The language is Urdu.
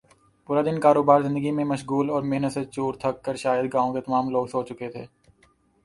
پورا دن کاروبار زندگی میں مشغول اور محنت سے چور تھک کر شاید گاؤں کے تمام لوگ سو چکے تھے